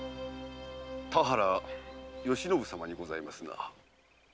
田原嘉信様にございますな？